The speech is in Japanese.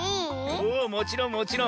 おおもちろんもちろん。